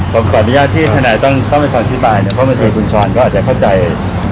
ผมขออนุญาตที่ฐานายท์ต้องต้องมีความอธิบายเนี่ยเพราะว่าเวลาเทพฯคุณช้อนก็อาจจะเข้าใจคำถาม